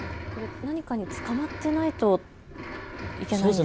何かにつかまっていないといけないですね。